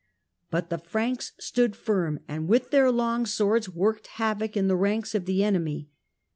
But the Franks stood firm and with their long swords worked havoc in the ranks of the enemy.